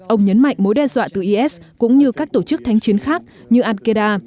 ông nhấn mạnh mối đe dọa từ is cũng như các tổ chức thánh chiến khác như al qaeda